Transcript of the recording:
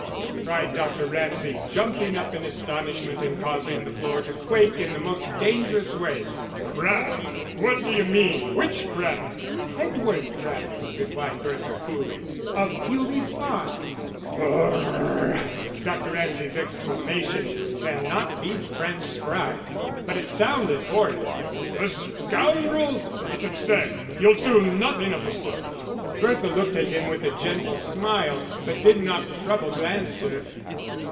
cried Dr. Ramsay, jumping up in astonishment and causing the floor to quake in the most dangerous way. "Craddock! What d'you mean? Which Craddock?" "Edward Craddock," replied Bertha coolly, "of Bewlie's Farm." "Brrh!!" Dr. Ramsay's exclamation cannot be transcribed, but it sounded horrid! "The scoundrel! It's absurd. You'll do nothing of the sort." Bertha looked at him with a gentle smile, but did not trouble to answer.